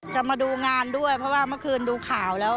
จะมาดูงานด้วยเพราะว่าเมื่อคืนดูข่าวแล้ว